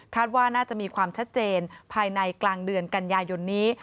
ว่าน่าจะมีความชัดเจนภายในกลางเดือนกันยายนนี้